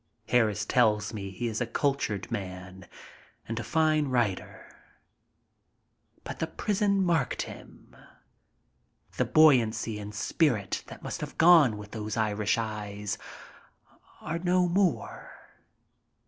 Harris tells me he is a cultured man and a fine writer. But the prison marked him. The buoyancy and spirit that must have gone with those Irish eyes are no more.